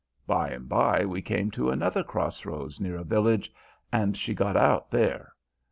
By and bye we came to another cross roads near a village, and she got out there.